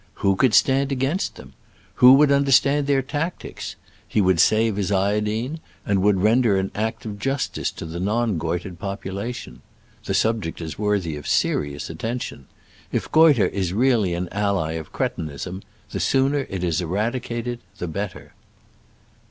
Who could stand against them ? Who would un def stand their tactics ? He would save his iodine and would render an act of justice to the non goitred population. The subject is worthy of serious atten tion. If goitre is really an ally of cre tinism, the sooner it is eradicated the better.